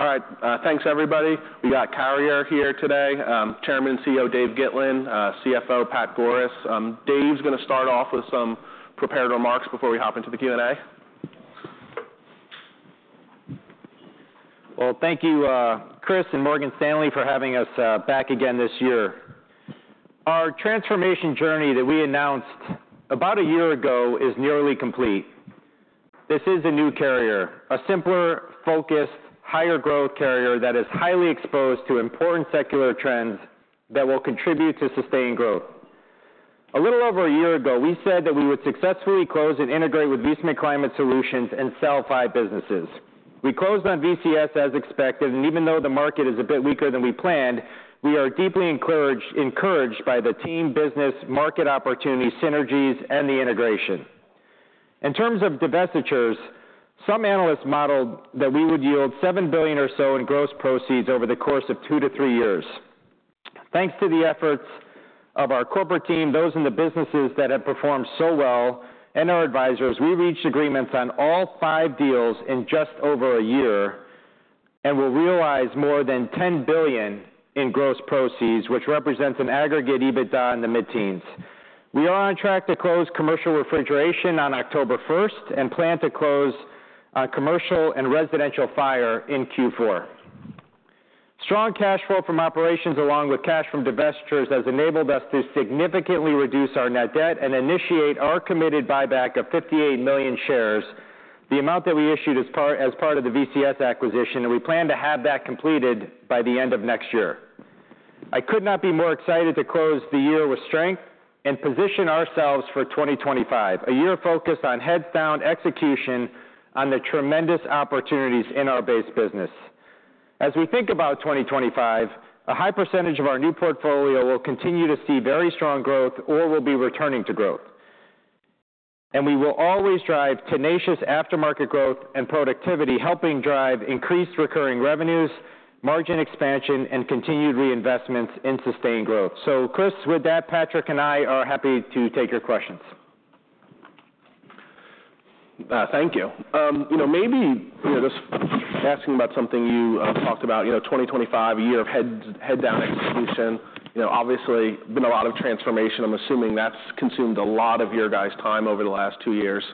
All right, thanks, everybody. We got Carrier here today, Chairman and CEO, Dave Gitlin, CFO, Pat Goris. Dave's gonna start off with some prepared remarks before we hop into the Q&A. Thank you, Chris and Morgan Stanley, for having us back again this year. Our transformation journey that we announced about a year ago is nearly complete. This is a new Carrier, a simpler, focused, higher growth Carrier that is highly exposed to important secular trends that will contribute to sustained growth. A little over a year ago, we said that we would successfully close and integrate with Viessmann Climate Solutions and sell five businesses. We closed on VCS as expected, and even though the market is a bit weaker than we planned, we are deeply encouraged by the team, business, market opportunity, synergies, and the integration. In terms of divestitures, some analysts modeled that we would yield $7 billion or so in gross proceeds over the course of two to three years. Thanks to the efforts of our corporate team, those in the businesses that have performed so well and our advisors, we reached agreements on all five deals in just over a year, and will realize more than $10 billion in gross proceeds, which represents an aggregate EBITDA in the mid-teens. We are on track to close commercial refrigeration on October first, and plan to close commercial and residential fire in Q4. Strong cash flow from operations, along with cash from divestitures, has enabled us to significantly reduce our net debt and initiate our committed buyback of 58 million shares, the amount that we issued as part of the VCS acquisition, and we plan to have that completed by the end of next year. I could not be more excited to close the year with strength and position ourselves for 2025, a year focused on heads-down execution on the tremendous opportunities in our base business. As we think about 2025, a high percentage of our new portfolio will continue to see very strong growth or will be returning to growth. And we will always drive tenacious aftermarket growth and productivity, helping drive increased recurring revenues, margin expansion, and continued reinvestments in sustained growth. So Chris, with that, Patrick and I are happy to take your questions. Thank you. You know, maybe, you know, just asking about something you talked about, you know, 2025, a year of head down execution. You know, obviously, been a lot of transformation. I'm assuming that's consumed a lot of your guys' time over the last two years.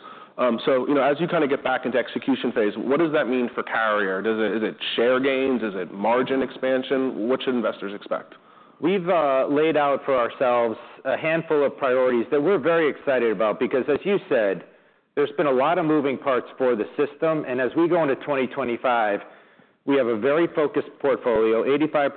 So, you know, as you kind of get back into execution phase, what does that mean for Carrier? Does it? Is it share gains? Is it margin expansion? What should investors expect? We've laid out for ourselves a handful of priorities that we're very excited about because, as you said, there's been a lot of moving parts for the system, and as we go into 2025, we have a very focused portfolio, 85%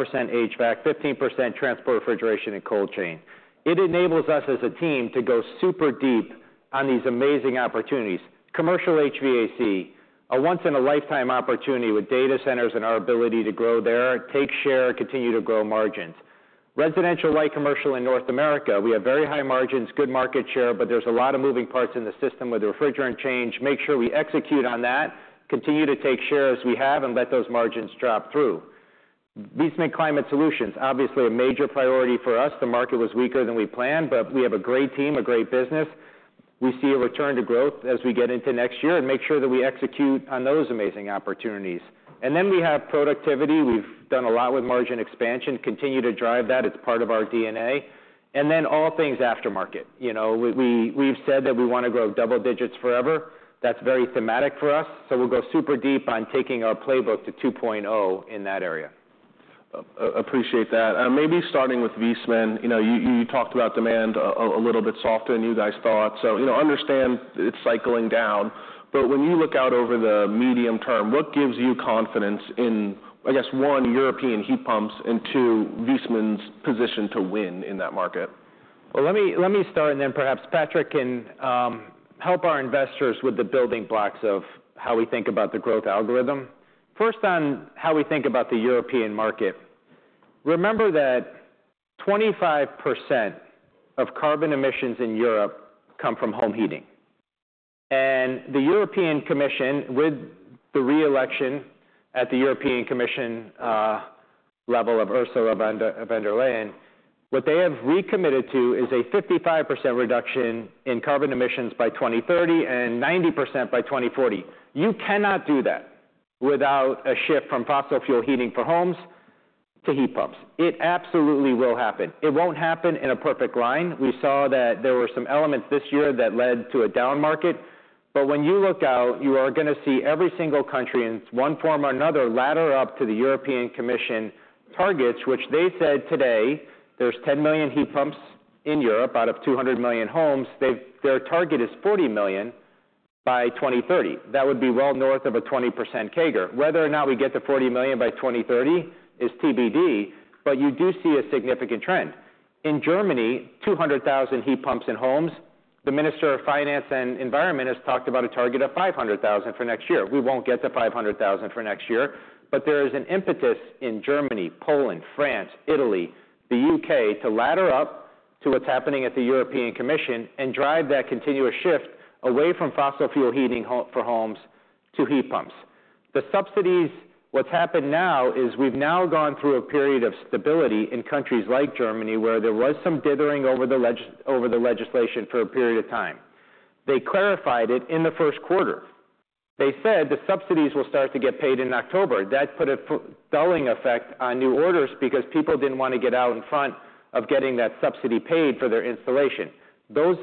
HVAC, 15% transport, refrigeration, and cold chain. It enables us, as a team, to go super deep on these amazing opportunities. Commercial HVAC, a once-in-a-lifetime opportunity with data centers and our ability to grow there, take share, continue to grow margins. Residential, light commercial in North America, we have very high margins, good market share, but there's a lot of moving parts in the system with the refrigerant change. Make sure we execute on that, continue to take share as we have, and let those margins drop through. Viessmann Climate Solutions, obviously a major priority for us. The market was weaker than we planned, but we have a great team, a great business. We see a return to growth as we get into next year and make sure that we execute on those amazing opportunities, and then we have productivity. We've done a lot with margin expansion, continue to drive that. It's part of our DNA, and then all things aftermarket. You know, we've said that we wanna grow double digits forever. That's very thematic for us, so we'll go super deep on taking our playbook to 2.0 in that area. Appreciate that. Maybe starting with Viessmann, you know, you talked about demand a little bit softer than you guys thought. So, you know, understand it's cycling down, but when you look out over the medium term, what gives you confidence in, I guess, one, European heat pumps, and two, Viessmann's position to win in that market? Let me, let me start, and then perhaps Patrick can help our investors with the building blocks of how we think about the growth algorithm. First, on how we think about the European market. Remember that 25% of carbon emissions in Europe come from home heating, and the European Commission, with the reelection at the European Commission level of Ursula von der Leyen, what they have recommitted to is a 55% reduction in carbon emissions by 2030 and 90% by 2040. You cannot do that without a shift from fossil fuel heating for homes to heat pumps. It absolutely will happen. It won't happen in a perfect line. We saw that there were some elements this year that led to a down market, but when you look out, you are gonna see every single country, in one form or another, ladder up to the European Commission targets, which they said today, there's 10 million heat pumps in Europe out of 200 million homes. They've. Their target is 40 million by 2030. That would be well north of a 20% CAGR. Whether or not we get to 40 million by 2030 is TBD, but you do see a significant trend. In Germany, 200,000 heat pumps in homes. The Minister of Finance and Environment has talked about a target of 500,000 for next year. We won't get to five hundred thousand for next year, but there is an impetus in Germany, Poland, France, Italy, the U.K., to ladder up to what's happening at the European Commission and drive that continuous shift away from fossil fuel heating for homes to heat pumps. The subsidies, what's happened now is we've now gone through a period of stability in countries like Germany, where there was some dithering over the legislation for a period of time. They clarified it in the first quarter. They said the subsidies will start to get paid in October. That put a dulling effect on new orders because people didn't want to get out in front of getting that subsidy paid for their installation. Those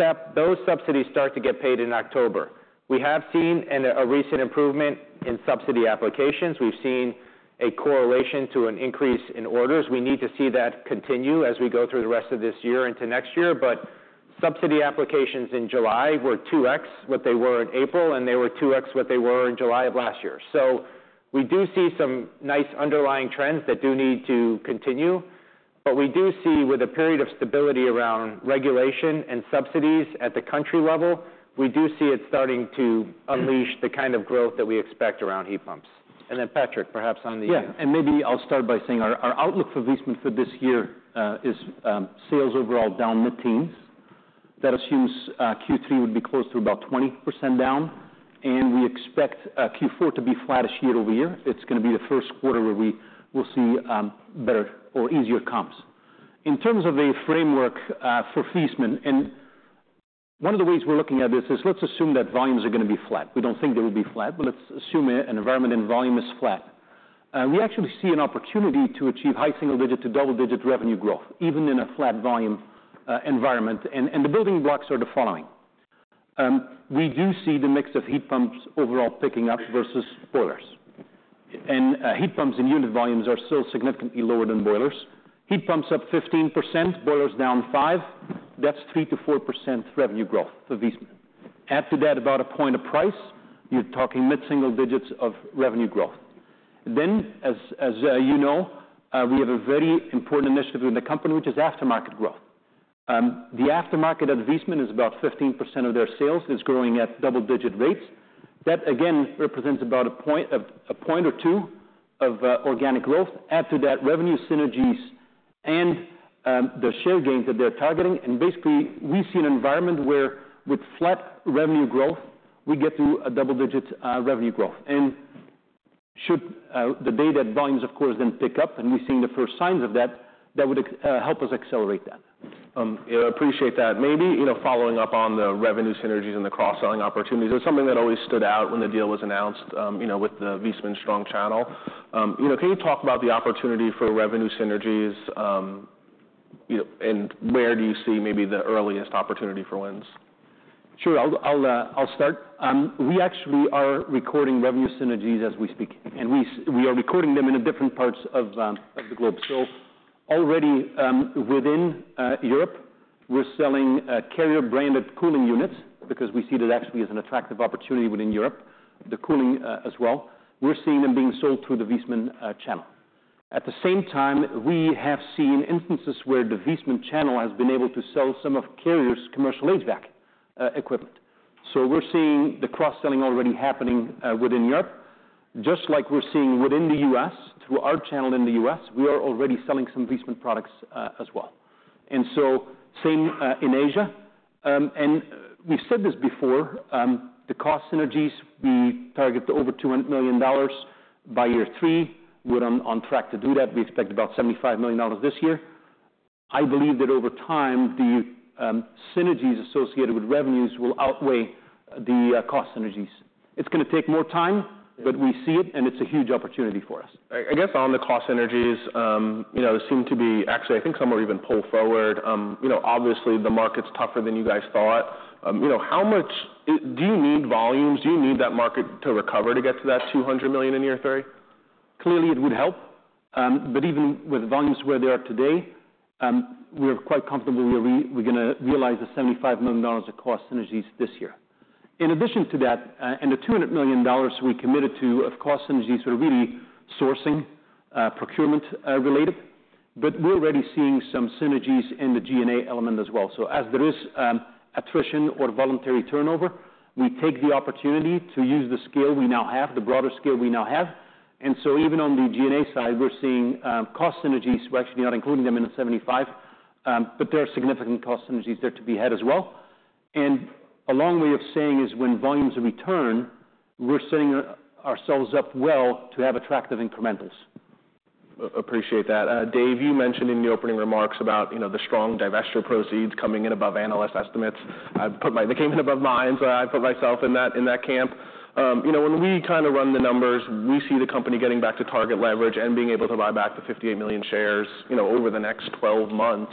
subsidies start to get paid in October. We have seen a recent improvement in subsidy applications. We've seen a correlation to an increase in orders. We need to see that continue as we go through the rest of this year into next year, but subsidy applications in July were 2X what they were in April, and they were 2X what they were in July of last year. So we do see some nice underlying trends that do need to continue, but we do see with a period of stability around regulation and subsidies at the country level, we do see it starting to unleash the kind of growth that we expect around heat pumps. And then Patrick, perhaps on the- Yeah, and maybe I'll start by saying our outlook for Viessmann for this year is sales overall down mid-teens. That assumes Q3 would be close to about 20% down, and we expect Q4 to be flattish year-over-year. It's gonna be the first quarter where we will see better or easier comps. In terms of a framework for Viessmann, and one of the ways we're looking at this is let's assume that volumes are gonna be flat. We don't think they will be flat, but let's assume an environment in volume is flat. We actually see an opportunity to achieve high single-digit to double-digit revenue growth, even in a flat volume environment. And the building blocks are the following: We do see the mix of heat pumps overall picking up versus boilers. And heat pumps in unit volumes are still significantly lower than boilers. Heat pumps up 15%, boilers down 5%. That's 3%-4% revenue growth for Viessmann. Add to that about a point of price, you're talking mid-single digits of revenue growth. Then, as you know, we have a very important initiative in the company, which is aftermarket growth. The aftermarket at Viessmann is about 15% of their sales, is growing at double-digit rates. That, again, represents about a point or two of organic growth. Add to that, revenue synergies and the share gains that they're targeting, and basically, we see an environment where with flat revenue growth, we get to a double-digit revenue growth. Should the data volumes, of course, then pick up, and we've seen the first signs of that. That would help us accelerate that. I appreciate that. Maybe, you know, following up on the revenue synergies and the cross-selling opportunities, it was something that always stood out when the deal was announced, you know, with the Viessmann strong channel. You know, can you talk about the opportunity for revenue synergies, you know, and where do you see maybe the earliest opportunity for wins? Sure. I'll start. We actually are recording revenue synergies as we speak, and we are recording them in different parts of the globe. So already within Europe, we're selling Carrier-branded cooling units because we see that actually as an attractive opportunity within Europe, the cooling as well. We're seeing them being sold through the Viessmann channel. At the same time, we have seen instances where the Viessmann channel has been able to sell some of Carrier's commercial HVAC equipment. So we're seeing the cross-selling already happening within Europe, just like we're seeing within the U.S. Through our channel in the U.S., we are already selling some Viessmann products as well. And so same in Asia. And we've said this before, the cost synergies we target over $200 million by year three. We're on track to do that. We expect about $75 million this year. I believe that over time, the synergies associated with revenues will outweigh the cost synergies. It's gonna take more time, but we see it, and it's a huge opportunity for us. I guess on the cost synergies, you know, there seem to be... Actually, I think some are even pulled forward. You know, obviously, the market's tougher than you guys thought. You know, how much do you need volumes? Do you need that market to recover to get to that $200 million in year three? Clearly, it would help. But even with volumes where they are today, we're quite comfortable where we are, we're gonna realize the $75 million of cost synergies this year. In addition to that, and the $200 million we committed to of cost synergies are really sourcing, procurement, related, but we're already seeing some synergies in the G&A element as well. So as there is, attrition or voluntary turnover, we take the opportunity to use the scale we now have, the broader scale we now have. And so even on the G&A side, we're seeing, cost synergies. We're actually not including them in the $75, but there are significant cost synergies there to be had as well. And a long way of saying is when volumes return, we're setting ourselves up well to have attractive incrementals. I appreciate that. Dave, you mentioned in the opening remarks about, you know, the strong divestiture proceeds coming in above analyst estimates. They came in above mine, so I put myself in that camp. You know, when we kind of run the numbers, we see the company getting back to target leverage and being able to buy back the 58 million shares, you know, over the next 12 months.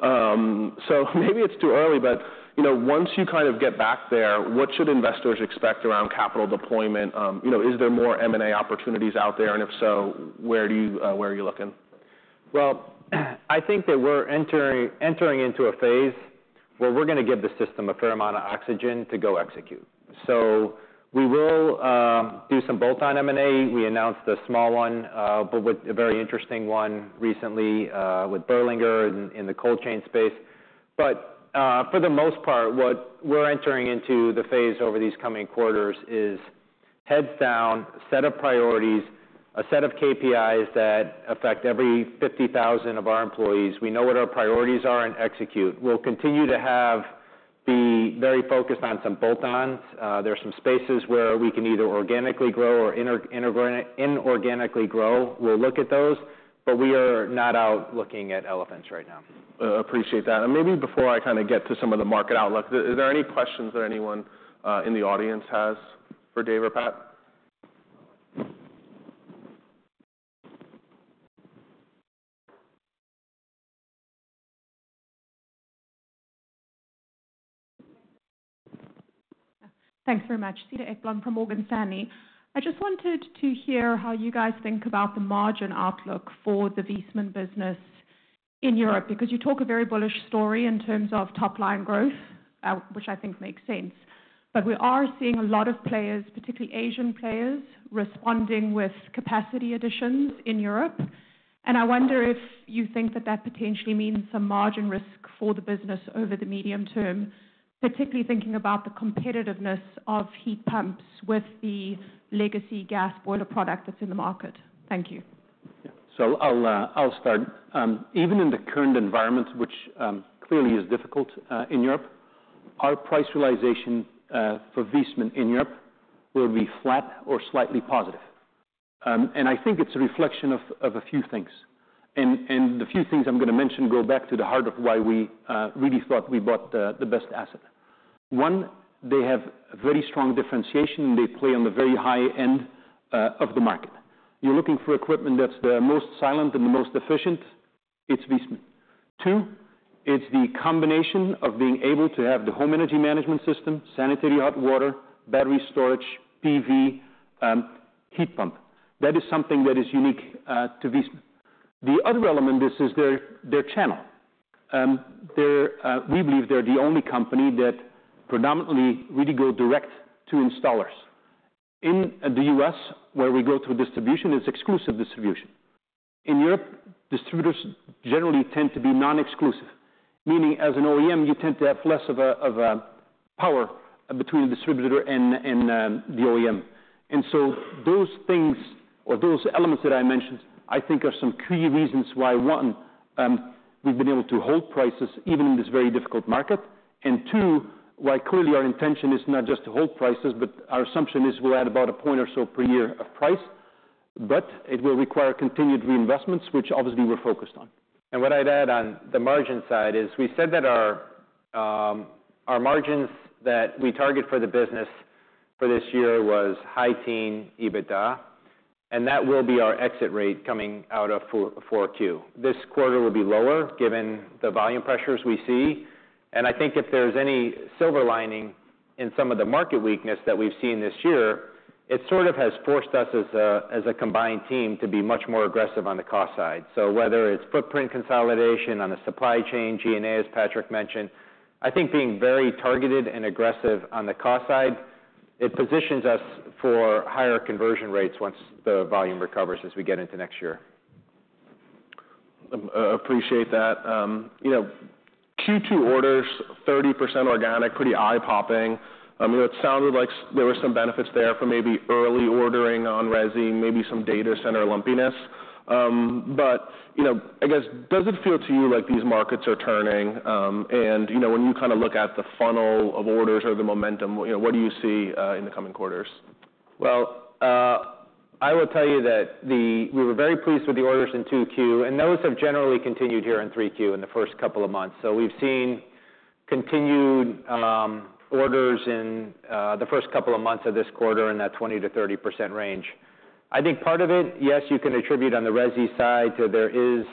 So maybe it's too early, but, you know, once you kind of get back there, what should investors expect around capital deployment? You know, is there more M&A opportunities out there? And if so, where do you, where are you looking? I think that we're entering into a phase where we're gonna give the system a fair amount of oxygen to go execute. We will do some bolt-on M&A. We announced a small one, but with a very interesting one recently, with Berlinger in the cold chain space. For the most part, what we're entering into the phase over these coming quarters is heads down set of priorities, a set of KPIs that affect every 50,000 of our employees. We know what our priorities are and execute. We'll continue to be very focused on some bolt-ons. There are some spaces where we can either organically grow or inorganically grow. We'll look at those, but we are not out looking at elephants right now. Appreciate that. And maybe before I kind of get to some of the market outlook, is there any questions that anyone in the audience has for Dave or Pat? Thanks very much. Cedar Ekblom from Morgan Stanley. I just wanted to hear how you guys think about the margin outlook for the Viessmann business in Europe, because you talk a very bullish story in terms of top line growth, which I think makes sense. But we are seeing a lot of players, particularly Asian players, responding with capacity additions in Europe. And I wonder if you think that that potentially means some margin risk for the business over the medium term, particularly thinking about the competitiveness of heat pumps with the legacy gas boiler product that's in the market. Thank you. So I'll, I'll start. Even in the current environment, which clearly is difficult in Europe, our price realization for Viessmann in Europe will be flat or slightly positive. And I think it's a reflection of a few things, and the few things I'm gonna mention go back to the heart of why we really thought we bought the best asset. One, they have very strong differentiation. They play on the very high end of the market. You're looking for equipment that's the most silent and the most efficient, it's Viessmann. Two, it's the combination of being able to have the home energy management system, sanitary hot water, battery storage, PV, heat pump. That is something that is unique to Viessmann. The other element is their channel. We believe they're the only company that predominantly really go direct to installers. In the U.S., where we go through distribution, it's exclusive distribution. In Europe, distributors generally tend to be non-exclusive, meaning as an OEM, you tend to have less of a power between the distributor and the OEM. And so those things or those elements that I mentioned, I think are some key reasons why, one, we've been able to hold prices even in this very difficult market, and two, why clearly our intention is not just to hold prices, but our assumption is we're at about a point or so per year of price, but it will require continued reinvestments, which obviously we're focused on. And what I'd add on the margin side is, we said that our our margins that we target for the business for this year was high-teens EBITDA, and that will be our exit rate coming out of Q4. This quarter will be lower, given the volume pressures we see. And I think if there's any silver lining in some of the market weakness that we've seen this year, it sort of has forced us as a combined team to be much more aggressive on the cost side. So whether it's footprint consolidation on the supply chain, G&A, as Patrick mentioned, I think being very targeted and aggressive on the cost side, it positions us for higher conversion rates once the volume recovers as we get into next year. Appreciate that. You know, Q2 orders, 30% organic, pretty eye-popping. I mean, it sounded like there were some benefits there for maybe early ordering on resi, maybe some data center lumpiness. But, you know, I guess, does it feel to you like these markets are turning? And, you know, when you kind of look at the funnel of orders or the momentum, you know, what do you see in the coming quarters? Well, I will tell you that we were very pleased with the orders in Q2, and those have generally continued here in Q3 in the first couple of months, so we've seen continued orders in the first couple of months of this quarter in that 20%-30% range. I think part of it, yes, you can attribute on the resi side, so there is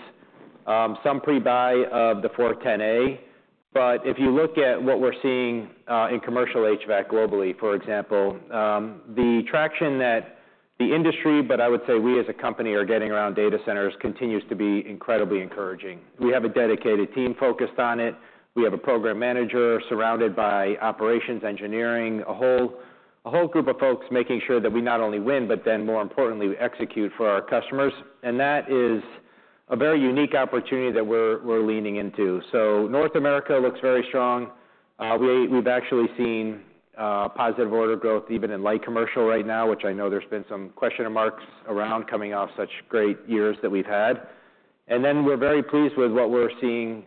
some pre-buy of the 410A. But if you look at what we're seeing in commercial HVAC globally, for example, the traction that the industry, but I would say we as a company, are getting around data centers continues to be incredibly encouraging. We have a dedicated team focused on it. We have a program manager surrounded by operations, engineering, a whole group of folks making sure that we not only win, but then more importantly, we execute for our customers, and that is a very unique opportunity that we're leaning into, so North America looks very strong. We've actually seen positive order growth even in light commercial right now, which I know there's been some question marks around, coming off such great years that we've had, and then we're very pleased with what we're seeing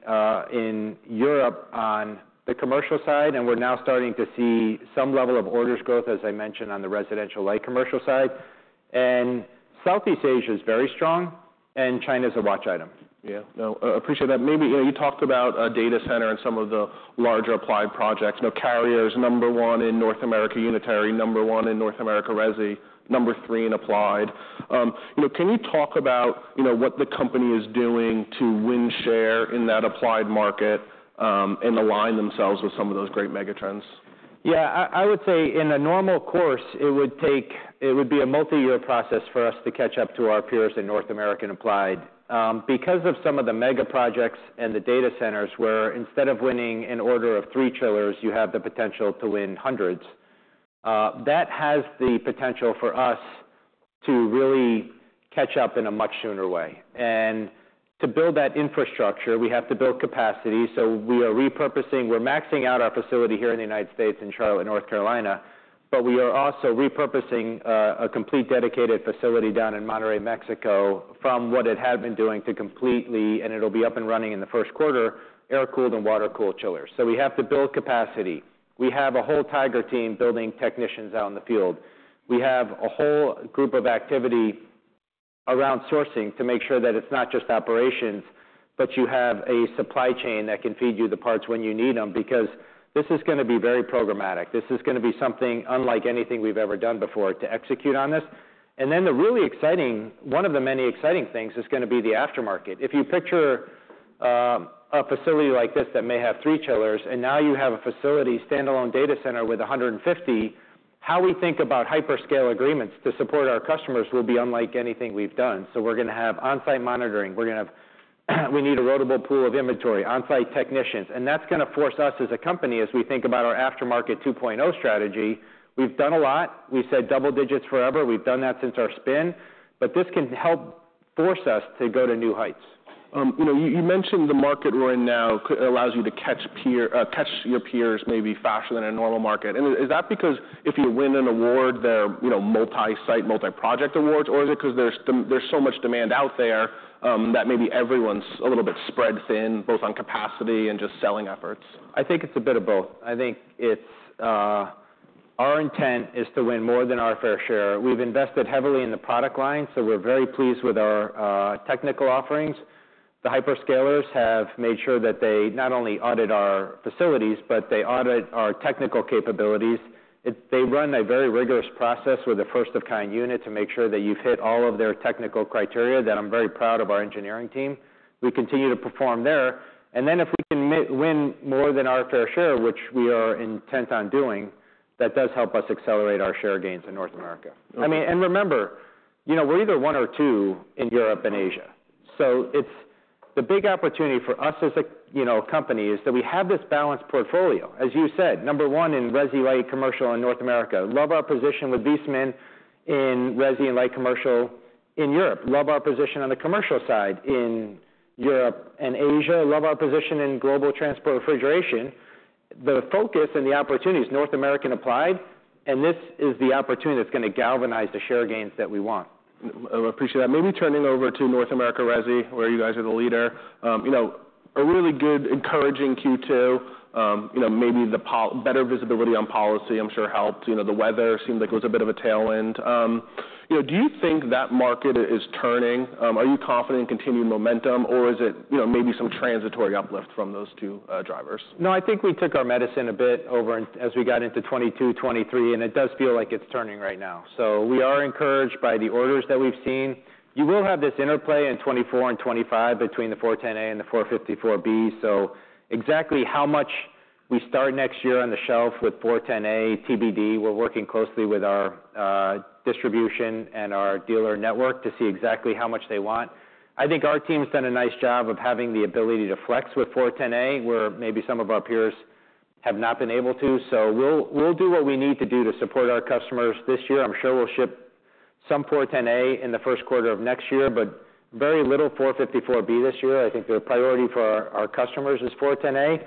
in Europe on the commercial side, and we're now starting to see some level of orders growth, as I mentioned, on the residential/light commercial side, and Southeast Asia is very strong, and China is a watch item. Yeah. No, appreciate that. Maybe, you know, you talked about, data center and some of the larger applied projects. You know, Carrier is number one in North America, unitary number one in North America resi, number three in applied. You know, can you talk about, you know, what the company is doing to win share in that applied market, and align themselves with some of those great megatrends? Yeah, I, I would say in a normal course, it would take- it would be a multi-year process for us to catch up to our peers in North American applied. Because of some of the mega projects and the data centers, where instead of winning an order of three chillers, you have the potential to win hundreds, that has the potential for us to really catch up in a much sooner way. And to build that infrastructure, we have to build capacity, so we are repurposing. We're maxing out our facility here in the United States, in Charlotte, North Carolina, but we are also repurposing a complete dedicated facility down in Monterrey, Mexico, from what it had been doing to completely, and it'll be up and running in the first quarter, air-cooled and water-cooled chillers. So we have to build capacity. We have a whole tiger team building technicians out in the field. We have a whole group of activities around sourcing to make sure that it's not just operations, but you have a supply chain that can feed you the parts when you need them, because this is gonna be very programmatic. This is gonna be something unlike anything we've ever done before to execute on this. And then the really exciting one of the many exciting things is gonna be the aftermarket. If you picture a facility like this that may have three chillers, and now you have a facility, standalone data center with a hundred and fifty, how we think about hyperscale agreements to support our customers will be unlike anything we've done. So we're gonna have on-site monitoring. We're gonna have... We need a rotable pool of inventory, on-site technicians, and that's gonna force us, as a company, as we think about our aftermarket 2.0 strategy. We've done a lot. We've said double digits forever. We've done that since our spin, but this can help force us to go to new heights. You know, you mentioned the market we're in now allows you to catch up to your peers maybe faster than a normal market. And is that because if you win an award, they're, you know, multi-site, multi-project awards, or is it 'cause there's demand, there's so much demand out there, that maybe everyone's a little bit spread thin, both on capacity and just selling efforts? I think it's a bit of both. I think it's our intent is to win more than our fair share. We've invested heavily in the product line, so we're very pleased with our technical offerings. The hyperscalers have made sure that they not only audit our facilities, but they audit our technical capabilities. They run a very rigorous process with a first-of-kind unit to make sure that you've hit all of their technical criteria, that I'm very proud of our engineering team. We continue to perform there, and then if we can win more than our fair share, which we are intent on doing, that does help us accelerate our share gains in North America. I mean, and remember, you know, we're either one or two in Europe and Asia. So it's the big opportunity for us as a, you know, company, is that we have this balanced portfolio. As you said, number one in resi, light commercial in North America. Love our position with Viessmann in resi and light commercial in Europe. Love our position on the commercial side in Europe and Asia. Love our position in global transport refrigeration. The focus and the opportunity is North American applied, and this is the opportunity that's gonna galvanize the share gains that we want. I appreciate that. Maybe turning over to North America resi, where you guys are the leader. You know, a really good, encouraging Q2. You know, maybe the better visibility on policy, I'm sure, helped. You know, the weather seemed like it was a bit of a tail end. You know, do you think that market is turning? Are you confident in continued momentum, or is it, you know, maybe some transitory uplift from those two, drivers? No, I think we took our medicine a bit over in, as we got into 2022, 2023, and it does feel like it's turning right now. So we are encouraged by the orders that we've seen. You will have this interplay in 2024 and 2025 between the 410A and the 454B. So exactly how much we start next year on the shelf with 410A, TBD. We're working closely with our distribution and our dealer network to see exactly how much they want. I think our team's done a nice job of having the ability to flex with 410A, where maybe some of our peers have not been able to. So we'll do what we need to do to support our customers this year. I'm sure we'll ship some 410A in the first quarter of next year, but very little 454B this year. I think the priority for our customers is 410A,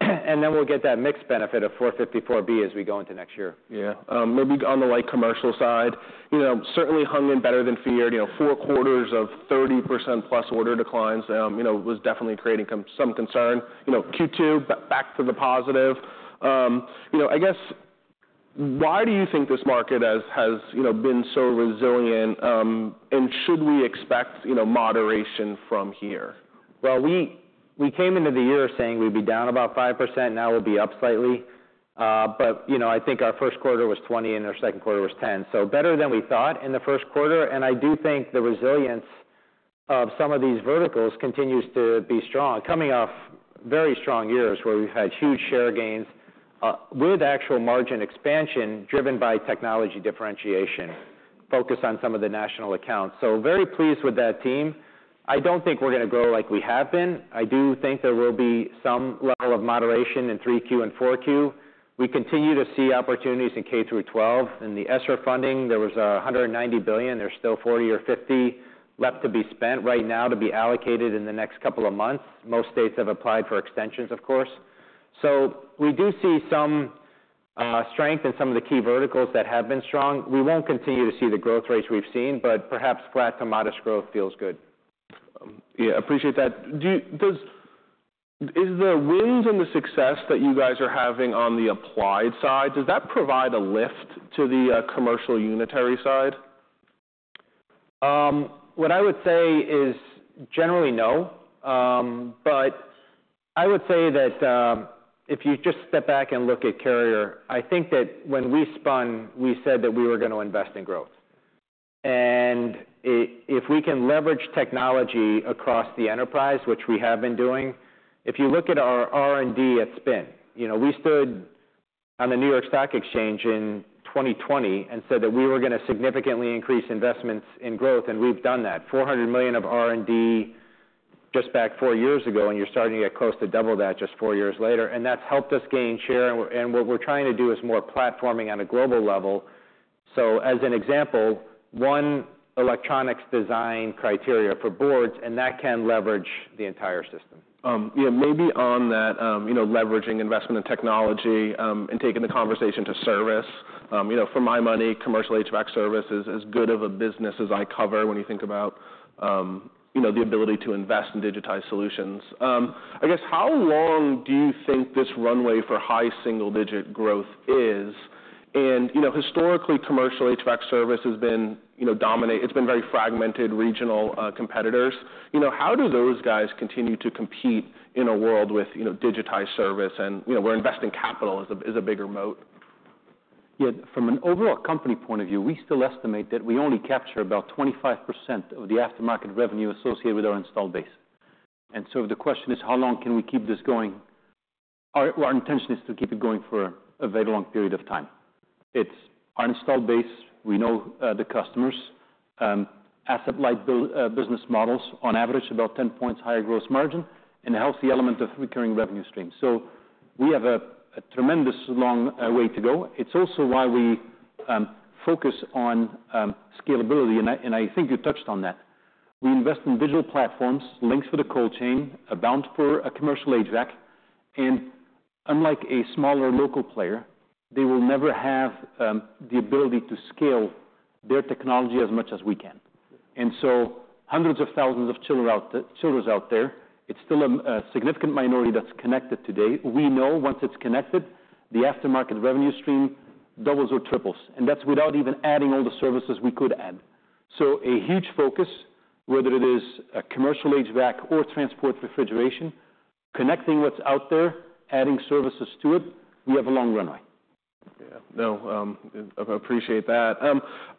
and then we'll get that mixed benefit of 454B as we go into next year. Yeah. Maybe on the light commercial side, you know, certainly hung in better than feared. You know, four quarters of 30% plus order declines, you know, was definitely creating some concern. You know, Q2, back to the positive. You know, I guess, why do you think this market has, you know, been so resilient, and should we expect, you know, moderation from here? We came into the year saying we'd be down about 5%. Now we'll be up slightly. But, you know, I think our first quarter was 20%, and our second quarter was 10%, so better than we thought in the first quarter. And I do think the resilience of some of these verticals continues to be strong, coming off very strong years, where we've had huge share gains, with actual margin expansion, driven by technology differentiation, focused on some of the national accounts. So very pleased with that team. I don't think we're gonna grow like we have been. I do think there will be some level of moderation in 3Q and 4Q. We continue to see opportunities in K through 12. In the ESSER funding, there was $190 billion. There's still 40 or 50 left to be spent right now, to be allocated in the next couple of months. Most states have applied for extensions, of course. So we do see some strength in some of the key verticals that have been strong. We won't continue to see the growth rates we've seen, but perhaps flat to modest growth feels good. Yeah, appreciate that. Is the wins and the success that you guys are having on the applied side, does that provide a lift to the commercial unitary side? What I would say is generally no, but I would say that, if you just step back and look at Carrier, I think that when we spun, we said that we were gonna invest in growth. And if we can leverage technology across the enterprise, which we have been doing, if you look at our R&D at spin, you know, we stood on the New York Stock Exchange in 2020 and said that we were gonna significantly increase investments in growth, and we've done that. $400 million of R&D just back four years ago, and you're starting to get close to double that just four years later, and that's helped us gain share. And what we're trying to do is more platforming on a global level. So as an example, one electronics design criteria for boards, and that can leverage the entire system. Yeah, maybe on that, you know, leveraging investment and technology, and taking the conversation to service, you know, for my money, commercial HVAC service is as good of a business as I cover when you think about, you know, the ability to invest in digitized solutions. I guess, how long do you think this runway for high single-digit growth is? And, you know, historically, commercial HVAC service has been, you know, dominant. It's been very fragmented, regional, competitors. You know, how do those guys continue to compete in a world with, you know, digitized service and, you know, where investing capital is a, is a bigger moat? Yeah, from an overall company point of view, we still estimate that we only capture about 25% of the aftermarket revenue associated with our installed base. And so the question is: how long can we keep this going? Our intention is to keep it going for a very long period of time. It's our installed base, we know, the customers, asset-light build business models, on average, about 10 points higher gross margin, and a healthy element of recurring revenue stream. So we have a tremendous long way to go. It's also why we focus on scalability, and I think you touched on that. We invest in digital platforms, Lynx for the cold chain, Abound for a commercial HVAC, and unlike a smaller local player, they will never have the ability to scale their technology as much as we can, and so hundreds of thousands of chillers out there, it's still a significant minority that's connected today. We know once it's connected, the aftermarket revenue stream doubles or triples, and that's without even adding all the services we could add, so a huge focus, whether it is a commercial HVAC or transport refrigeration, connecting what's out there, adding services to it, we have a long runway. Yeah. No, I appreciate that.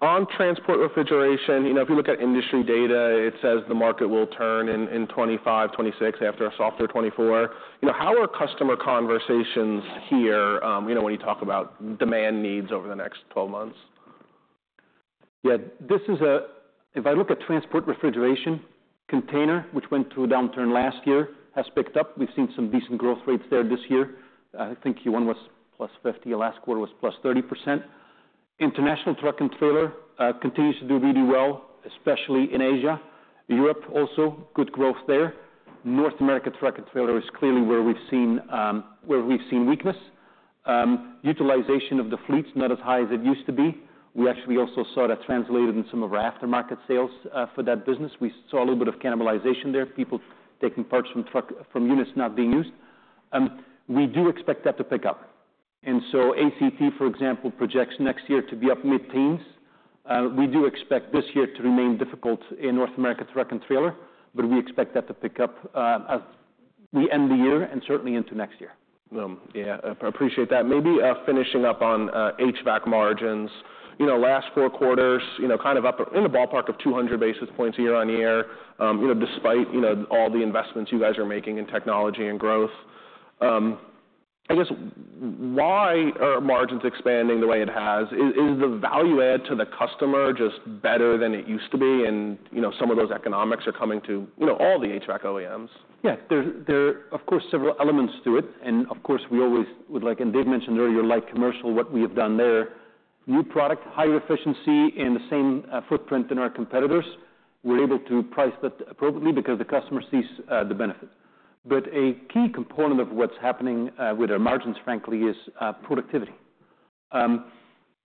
On transport refrigeration, you know, if you look at industry data, it says the market will turn in 2025, 2026, after a softer 2024. You know, how are customer conversations here, you know, when you talk about demand needs over the next twelve months? Yeah, this is if I look at transport refrigeration, container, which went through a downturn last year, has picked up. We've seen some decent growth rates there this year. I think Q1 was plus 50%, last quarter was plus 30%. International truck and trailer continues to do really well, especially in Asia. Europe also good growth there. North America truck and trailer is clearly where we've seen weakness. Utilization of the fleet's not as high as it used to be. We actually also saw that translated in some of our aftermarket sales for that business. We saw a little bit of cannibalization there, people taking parts from units not being used. We do expect that to pick up. And so ACT, for example, projects next year to be up mid-teens. We do expect this year to remain difficult in North America truck and trailer, but we expect that to pick up, as we end the year and certainly into next year. Well, yeah, I appreciate that. Maybe finishing up on HVAC margins. You know, last four quarters, you know, kind of up in the ballpark of two hundred basis points year-on-year, you know, despite you know, all the investments you guys are making in technology and growth. I guess, why are margins expanding the way it has? Is the value add to the customer just better than it used to be, and you know, some of those economics are coming to you know, all the HVAC OEMs? Yeah, there are, of course, several elements to it. And of course, we always would like. And Dave mentioned earlier, light commercial, what we have done there. New product, higher efficiency, and the same footprint than our competitors. We're able to price that appropriately because the customer sees the benefit. But a key component of what's happening with our margins, frankly, is productivity.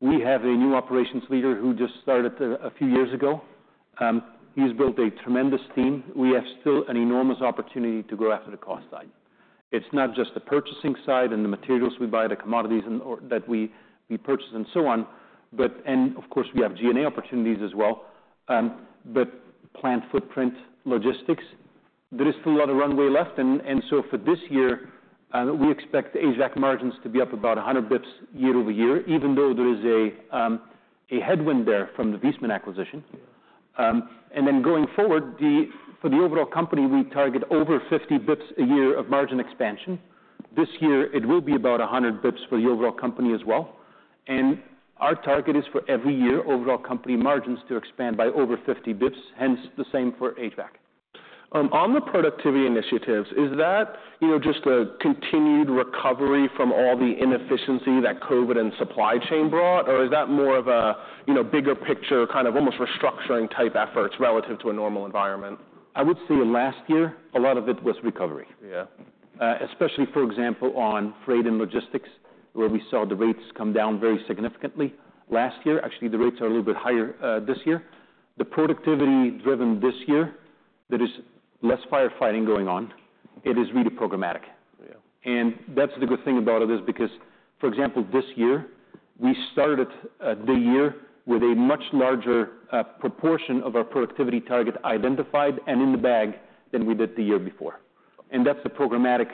We have a new operations leader who just started a few years ago. He's built a tremendous team. We have still an enormous opportunity to grow after the cost side. It's not just the purchasing side and the materials we buy, the commodities and/or that we purchase, and so on, but and of course, we have G&A opportunities as well. But plant footprint, logistics, there is still a lot of runway left. For this year, we expect the HVAC margins to be up about 100 basis points year-over-year, even though there is a headwind there from the Viessmann acquisition. Then going forward, for the overall company, we target over 50 basis points a year of margin expansion. This year, it will be about 100 basis points for the overall company as well. Our target is for every year, overall company margins to expand by over 50 basis points, hence, the same for HVAC. On the productivity initiatives, is that, you know, just a continued recovery from all the inefficiency that COVID and supply chain brought, or is that more of a, you know, bigger picture, kind of almost restructuring type efforts relative to a normal environment? I would say last year, a lot of it was recovery. Yeah. Especially, for example, on freight and logistics, where we saw the rates come down very significantly last year. Actually, the rates are a little bit higher this year. The productivity driven this year, there is less firefighting going on. It is really programmatic. Yeah. And that's the good thing about it is because, for example, this year, we started the year with a much larger proportion of our productivity target identified and in the bag than we did the year before. And that's the programmatic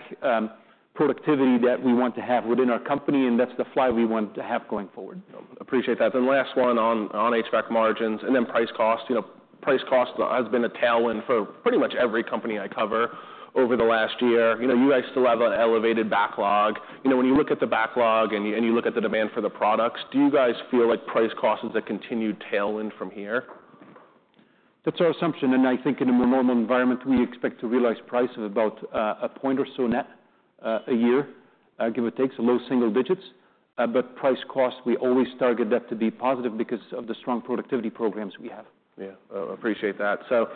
productivity that we want to have within our company, and that's the fly we want to have going forward. Appreciate that. Then last one on HVAC margins, and then price cost. You know, price cost has been a tailwind for pretty much every company I cover over the last year. You know, you guys still have an elevated backlog. You know, when you look at the backlog and you look at the demand for the products, do you guys feel like price cost is a continued tailwind from here? That's our assumption, and I think in a more normal environment, we expect to realize price of about a point or so net a year, give or take, so low single digits, but price cost, we always target that to be positive because of the strong productivity programs we have. Yeah, appreciate that. So,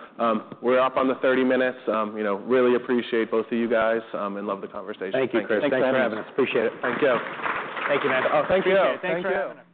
we're up on the thirty minutes. You know, really appreciate both of you guys, and love the conversation. Thank you, Chris. Thanks for having us. Appreciate it. Thank you. Thank you, man. Oh, thank you. Thanks for having us.